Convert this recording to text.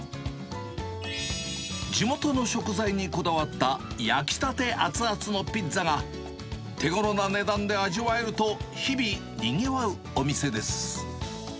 地元の食材にこだわった、焼きたて熱々のピッツァが、手ごろな値段で味わえると、日々、にぎわうお店です。